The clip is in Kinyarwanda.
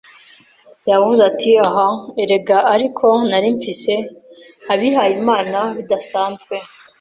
Yavuze ati: “Ah, erega, ariko nari mfise - abihayimana bidasanzwe.